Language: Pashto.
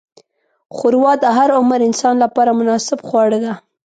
ښوروا د هر عمر انسان لپاره مناسب خواړه ده.